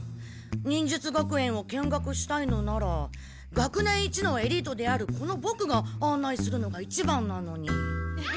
忍術学園を見学したいのなら学年一のエリートであるこのボクが案内するのがいちばんなのに。